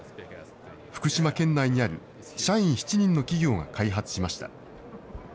福島県内にある社員７人の企業が開発しました。